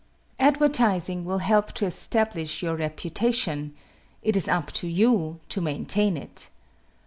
Advertising will help to establish your reputation it is "up to you" to maintain it.